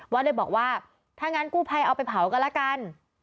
วัดเลยบอกว่าถ้างั้นกู้ไพเอาไปเผากันละกัน